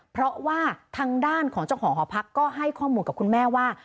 เพราะว่าทางด้านของเจ้าของหอพักก็ให้ข้อมูลกับคุณแม่ว่า